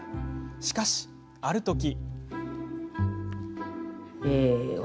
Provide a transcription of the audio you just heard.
しかし、あるとき。